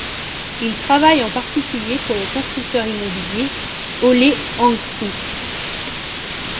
Ils travaillent en particulier pour le constructeur immobilier Olle Engkvist.